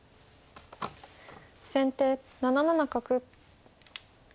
先手７七角。